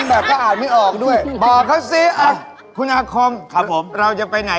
เดี๋ยวตบปากเท่าอายุ